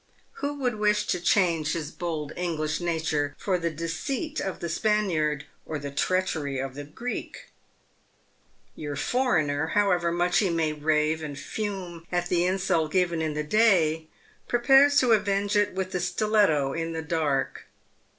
"Who would wish to change his bold English nature for the deceit of the Spaniard, or the treachery of the Greek ? Tour foreigner, however much he may rave and fume at the insult given in the day, prepares to avenge it with the stiletto in the dark